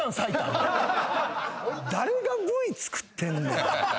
誰がＶ作ってんねん！？